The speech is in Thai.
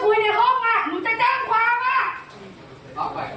เฮ้ยไม่